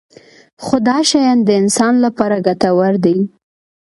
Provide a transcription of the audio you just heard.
خو دا شیان د انسان لپاره ګټور دي.